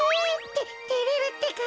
ててれるってか。